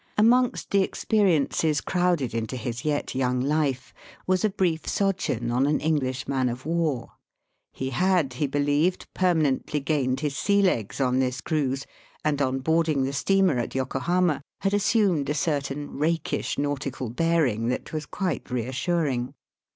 Amongst the experiences crowded into his yet young life was a brief sojourn on an English man of war. He had, he be lieved, permanently gained his sea legs on this cruise, and on boarding the steamer at Yokohama had assumed a certain rakish nautical bearing that was quite reassuring.